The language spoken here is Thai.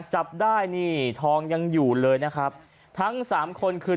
จับได้นี่ทองยังอยู่เลยนะครับทั้งสามคนคือ